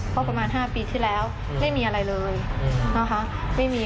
เพราะประมาณห้าปีที่แล้วไม่มีอะไรเลยเนอะฮะไม่มี